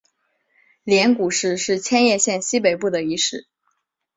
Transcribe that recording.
镰谷市是千叶县西北部的一市。